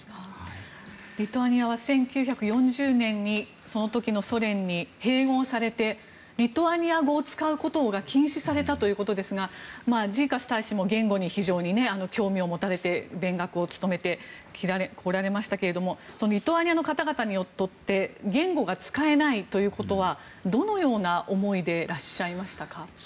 リトアニアは１９４０年にその時のソ連に併合されてリトアニア語を使うことを禁止されたということですがジーカス大使も言語に非常に興味を持たれて勉学に努めてこられましたがリトアニアの方々にとって言語が使えないということはどのような思いでいらっしゃいましたか？